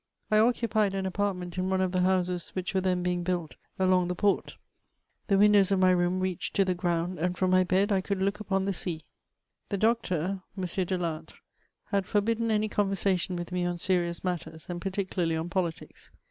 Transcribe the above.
I occi^iied an afMurtment in one of the houses which were then being built akmg the port : the windows of my room readied to the gromid, and mxn my bed I could look xxfoa the sea. The do^or, M. De lattre, nad forbidden any conversation with me co seiious mattm, and particularly on politics.